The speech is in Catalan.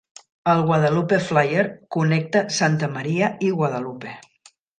El Guadalupe Flyer connecta Santa María i Guadalupe.